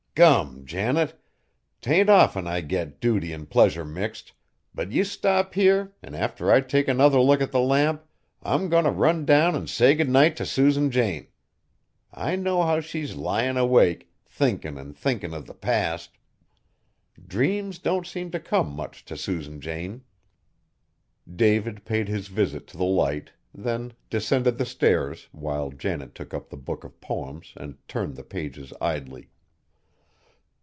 "Gum! Janet. 'T ain't often I get duty and pleasure mixed, but ye stop here, an' after I take another look at the lamp, I'm goin' t' run down an' say good night t' Susan Jane. I know how she's lyin' awake, thinkin' an' thinkin' of the past. Dreams don't seem t' come much t' Susan Jane." David paid his visit to the Light, then descended the stairs, while Janet took up the book of poems and turned the pages idly.